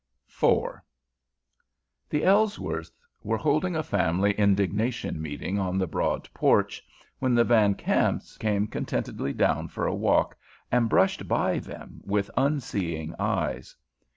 IV The Ellsworths were holding a family indignation meeting on the broad porch when the Van Ramps came contentedly down for a walk, and brushed by them with unseeing eyes.